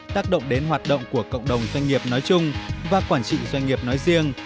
tác động đến hoạt động của cộng đồng doanh nghiệp nói chung và quản trị doanh nghiệp nói riêng